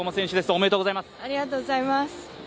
おめでとうございます。